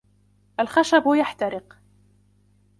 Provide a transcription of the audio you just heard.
الخشب يحترق.